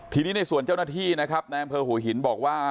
ทีนี้ในส่วนเจ้าหน้าที่นะครับแม่งเผอร์หูหินบอกว่า